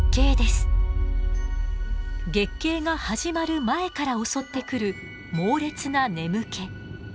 月経が始まる前から襲ってくる猛烈な眠気。